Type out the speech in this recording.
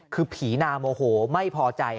คือผีนามโอ้โฮไม่พอใจค่ะ